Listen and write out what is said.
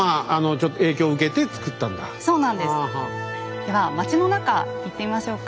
では町の中行ってみましょうか。